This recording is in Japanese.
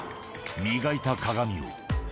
磨いた鏡を。